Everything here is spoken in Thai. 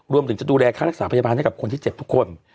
รวมถึงจะดูแลค่ารักษาพยาบาลให้กับคนที่เจ็บทุกคน